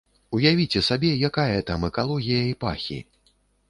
Уявіце сабе, якая там экалогія і пахі.